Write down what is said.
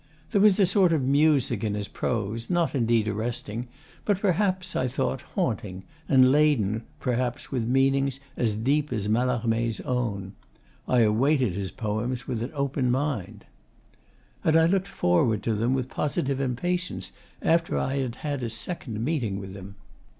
There was a sort of music in his prose, not indeed arresting, but perhaps, I thought, haunting, and laden perhaps with meanings as deep as Mallarme's own. I awaited his poems with an open mind. And I looked forward to them with positive impatience after I had had a second meeting with him.